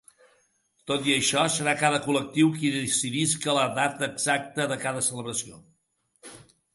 Tot i això, serà cada col·lectiu qui decidisca la data exacta de cada celebració.